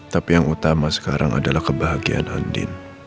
tapi yang utama sekarang adalah kebahagiaan andin